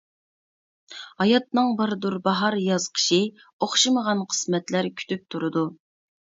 ھاياتنىڭ باردۇر باھار، ياز، قىشى، ئوخشىمىغان قىسمەتلەر كۈتۈپ تۇرىدۇ.